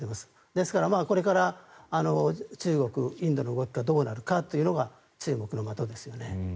ですから、これから中国、インドの動きがどうなるかというのが注目の的ですよね。